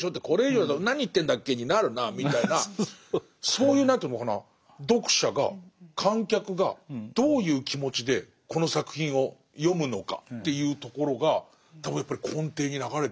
これ以上だと何言ってんだっけになるなぁみたいなそういう何ていうのかな読者が観客がどういう気持ちでこの作品を読むのかっていうところが多分やっぱり根底に流れてるから。